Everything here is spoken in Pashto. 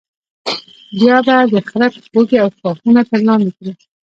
بیا به د خرپ بوټي او ښاخونه تر لاندې کړو.